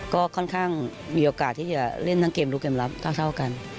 ก็ค่อนข้างมีโอกาสที่จะเล่นทั้งเกมลุกเกมรับเท่ากัน